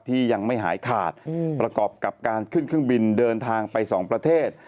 ที่ยังไม่หายขาดประกอบกับการขึ้นเครื่องบินเดินทางไปสองประเทศ